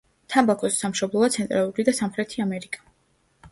თამბაქოს სამშობლოა ცენტრალური და სამხრეთი ამერიკა.